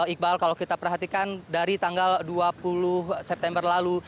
iqbal kalau kita perhatikan dari tanggal dua puluh september lalu